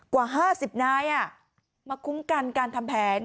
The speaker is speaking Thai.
กว่าห้าสิบน้ายมาคุ้มกันการทำแผน